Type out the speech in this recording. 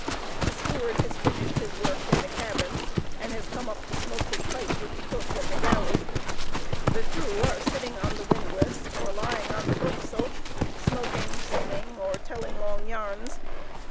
The steward has finished his work in the cabin, and has come up to smoke his pipe with the cook in the galley. The crew are sitting on the windlass or lying on the forecastle, smoking, singing, or telling long yarns.